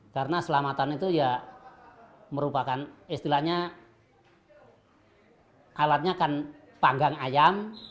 karena selamatan itu ya merupakan istilahnya alatnya kan panggang ayam